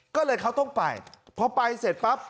ก็เลยเขาต้องไปพอไปเสร็จปั๊บ